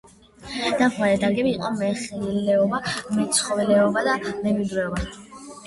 დამხმარე დარგები იყო მეხილეობა, მეცხოველეობა და მემინდვრეობა.